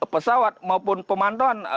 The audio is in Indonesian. pesawat maupun pemanduan